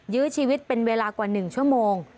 ยื้อชีวิตเป็นเวลากว่า๑ชั่วโมง